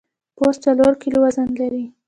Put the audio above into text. پوست څلور کیلو وزن لري.